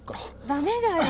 ダメだよ！